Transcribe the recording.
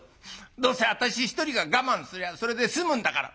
どうせ私一人が我慢すりゃそれで済むんだから。